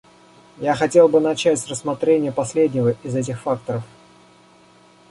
Я хотел бы начать с рассмотрения последнего из этих факторов.